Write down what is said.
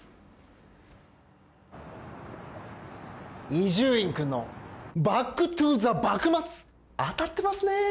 伊集院君の『バック・トゥ・ザ・幕末』当たってますね。